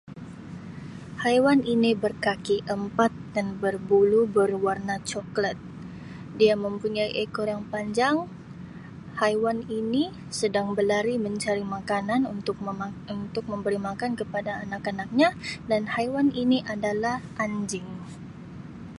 Haiwan ini berkaki empat dan berbulu berwarna coklat dia mempunyai ekor yang panjang haiwan ini sedang berlari mencari makanan untuk mema untuk memberi makan kepada anak-anaknya dan haiwan ini adalah anjing.